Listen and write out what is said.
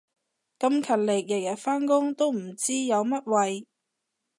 咁勤力日日返工都唔知有乜謂